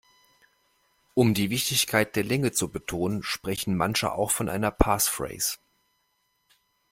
Um die Wichtigkeit der Länge zu betonen, sprechen manche auch von einer Passphrase.